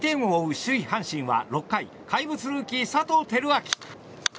首位阪神は６回、怪物ルーキー佐藤輝明。